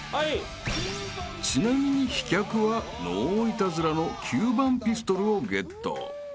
［ちなみに飛脚はノーイタズラの吸盤ピストルをゲット］